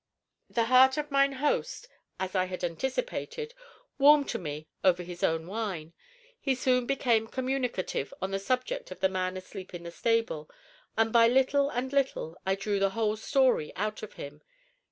The heart of mine host, as I had anticipated, warmed to me over his own wine. He soon became communicative on the subject of the man asleep in the stable, and by little and little I drew the whole story out of him.